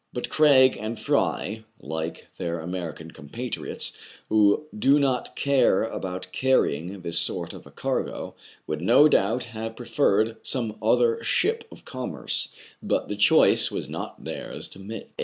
But Craig and Fry, like their American compatriots, who do not care about car rying this sort of a cargo, would no doubt have preferred some other ship of commerce ; but the choice was not theirs to make.